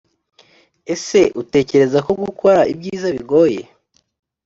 Ese utekereza ko gukora ibyiza bigoye